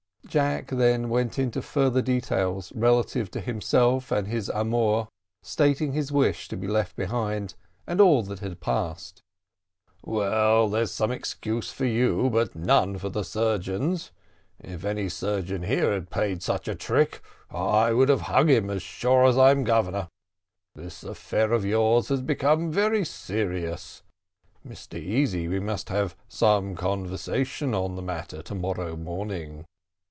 Jack then went into further details relative to himself and his amour, stating his wish to be left behind and all that had passed. "Well, there's some excuse for you, but none for the surgeons. If any surgeon here had played such a trick, I would have hung him, as sure as I'm Governor. This affair of yours has become serious. Mr Easy, we must have some conversation on the matter to morrow morning."